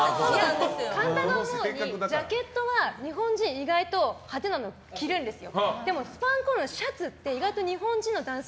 神田が思うに、ジャケットは日本人は意外と派手なの着るんですよ。